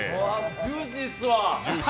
ジューシーっすわ。